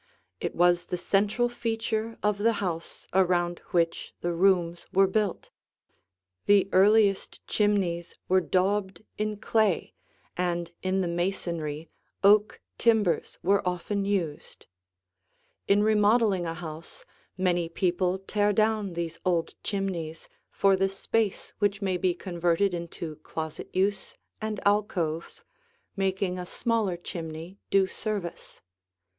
It was the central feature of the house, around which the rooms were built. The earliest chimneys were daubed in clay, and in the masonry oak timbers were often used. In remodeling a house many people tear down these old chimneys for the space which may be converted into closet use and alcoves, making a smaller chimney do service.